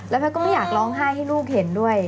แพทย์ก็ไม่อยากร้องไห้ให้ลูกเห็นด้วย